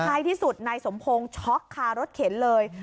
ที่สุดนายสมพงศ์ช็อกคารถเข็นเลย